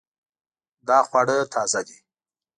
دا خواړه تازه دي